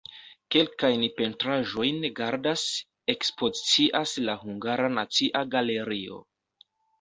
Kelkajn pentraĵojn gardas, ekspozicias la Hungara Nacia Galerio.